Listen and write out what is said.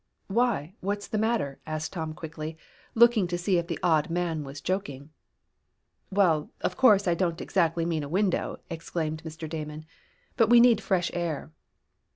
"Why, what's the matter?" asked Tom quickly, looking to see if the odd man was joking. "Well, of course I don't exactly mean a window," explained Mr. Damon, "but we need fresh air."